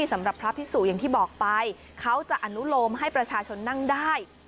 สำหรับพระพิสุอย่างที่บอกไปเขาจะอนุโลมให้ประชาชนนั่งได้